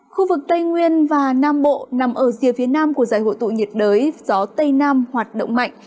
khu vực tây nguyên và nam bộ nằm ở rìa phía nam của giải hội tụ nhiệt đới gió tây nam hoạt động mạnh